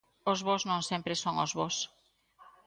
O bos non sempre son os bos.